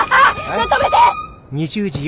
ちょっと止めて！